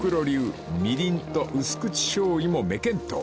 ［みりんと薄口しょうゆも目見当］